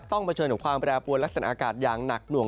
ต้องเผชิญกับความแปรปวดและเส้นอากาศอย่างหนักหน่วง